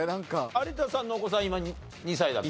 有田さんのお子さん今２歳だっけ？